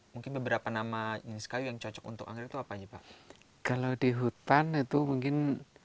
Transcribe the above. mungkin beberapa nama jenis kayu yang cocok untuk anggrek itu apa aja pak kalau di hutan itu mungkin